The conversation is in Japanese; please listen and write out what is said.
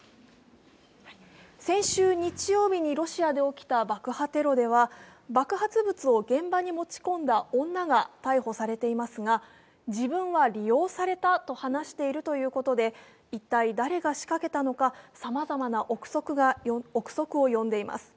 先週日曜日にロシアで起きた爆破テロでは、爆発物を現場に持ち込んだ女が逮捕されていますが、自分は利用されたと話しているということで一体誰が仕掛けたのかさまざまな憶測を呼んでいます。